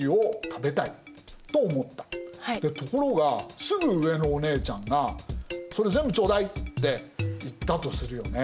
ところがすぐ上のお姉ちゃんが「それ全部頂戴！」って言ったとするよね。